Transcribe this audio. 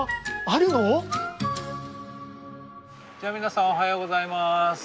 じゃあ皆さんおはようございます。